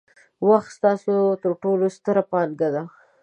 وخت ستاسو ترټولو ستره پانګه ده.